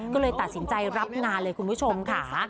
ก็เลยตัดสินใจรับงานเลยคุณผู้ชมค่ะ